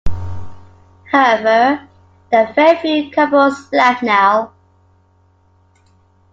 However, there are very few Kapols left now.